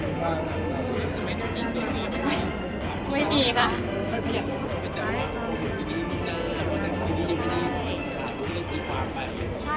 ไม่มีค่ะ